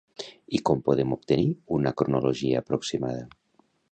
I com podem obtenir una cronologia aproximada?